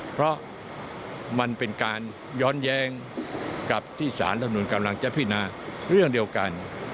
เพราะมันเป็นการย้อนแย้งกับที่สารธรรมนุนกำลังจะพินาเรื่องเดียวกัน